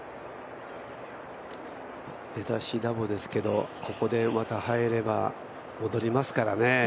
出だしダボですけどここでまた入れば戻りますからね。